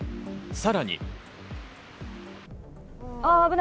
さらに。